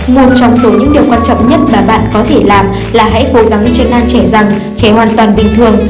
một trong số những điều quan trọng nhất mà bạn có thể làm là hãy cố gắng tránh ăn trẻ rằng trẻ hoàn toàn bình thường